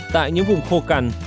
tại những vùng khô cằn